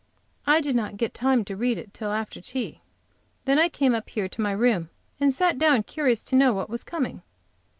I did not get time to read it till after tea. Then I came up here to my room, and sat down curious to know what was coming.